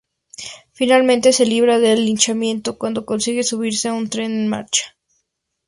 Finalmente se libra del linchamiento cuando consigue subirse a un tren en marcha.